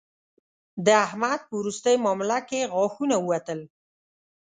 د احمد په روستۍ مامله کې غاښونه ووتل